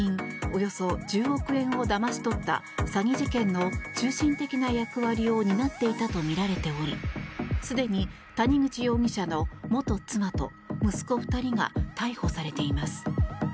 およそ１０億円をだまし取った詐欺事件の中心的な役割を担っていたとみられておりすでに谷口容疑者の元妻と息子２人が逮捕されています。